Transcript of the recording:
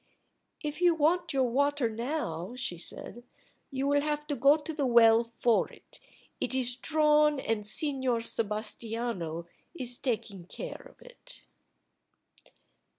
"If you want your water now," she said, "you will have to go to the well for it. It is drawn, and Senor Sebastiano is taking care of it."